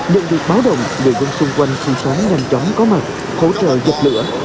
những việc báo đoạn người dân xung quanh xung quanh nhanh chóng có mặt hỗ trợ dịch lửa